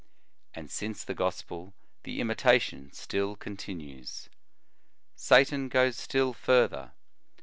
And since the gospel, the imitation still con tinues."* Satan goes still further.